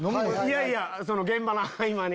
いやいやその現場の合間に。